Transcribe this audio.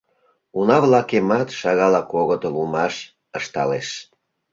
Уна-влакемат шагалак огытыл улмаш, — ышталеш.